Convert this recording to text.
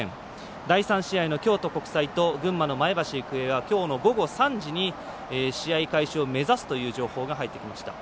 第３試合の京都国際と群馬の前橋育英はきょうの午後３時に試合開始を目指すという情報が入ってきました。